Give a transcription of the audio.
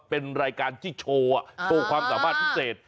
เป็นรายการที่โชว์โชว์ความสามารถพิเศษ